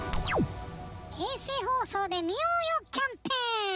「『衛星放送で見ようよ！』キャンペーン！